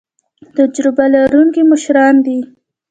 تجربه لرونکي مشران دي